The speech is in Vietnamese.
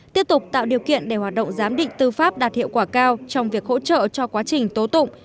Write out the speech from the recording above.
tiếp tục tạo điều kiện để hoạt động giám định tư pháp đạt hiệu quả cao trong việc hỗ trợ cho quá trình tố tụng